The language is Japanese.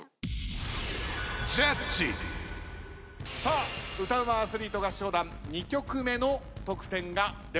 さあ歌ウマアスリート合唱団２曲目の得点が出ました。